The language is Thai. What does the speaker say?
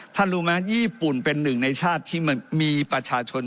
รู้ไหมญี่ปุ่นเป็นหนึ่งในชาติที่มันมีประชาชน